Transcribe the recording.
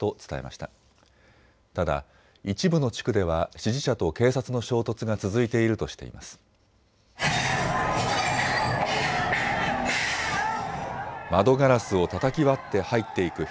ただ一部の地区では支持者と警察の衝突が続いているとしています。